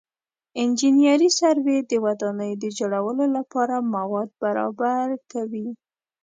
انجنیري سروې د ودانیو د جوړولو لپاره مواد برابر کوي